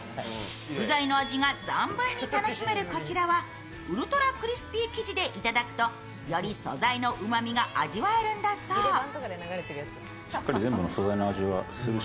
具材の味が存分に楽しめるこちらはウルトラクリスピー生地でいただくとより素材のうまみが味わえるんだそう。